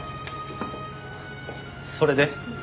それで？